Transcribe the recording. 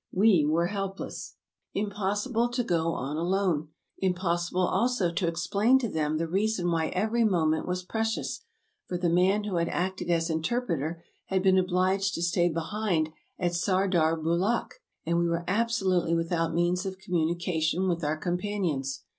We were helpless. Im possible to go on alone ; impossible also to explain to them the reason why every moment was precious, for the man who had acted as interpreter had been obliged to stay behind at Sardarbulakh, and we were absolutely without means of communication with our companions.